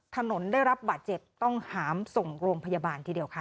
ถนนได้รับบาดเจ็บต้องหามส่งโรงพยาบาลทีเดียวค่ะ